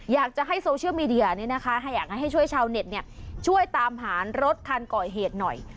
อยากจะให้โซเชียลมีเดียอยากให้ช่วยชาวเน็ตช่วยตามหารถคันก่อเหตุหน่อย